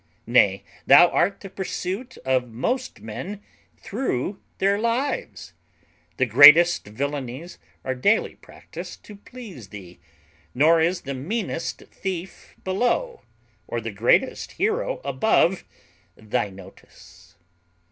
nay, thou art the pursuit of most men through their lives. The greatest villainies are daily practised to please thee; nor is the meanest thief below, or the greatest hero above, thy notice.